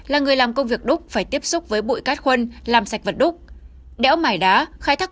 là người làm công việc đúc phải tiếp xúc với bụi cát khuôn làm sạch vật đúc đéo mải đá khai thác